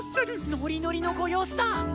ノリノリのご様子だ！